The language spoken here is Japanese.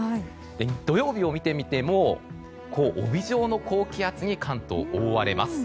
土曜日を見てみても帯状の高気圧に関東は覆われます。